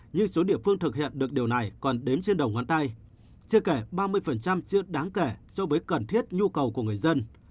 như số địa phương thực hiện được điều này còn đếm trên đầu ngón tay chưa kể ba mươi chưa đáng kể so với cần thiết nhu cầu của người dân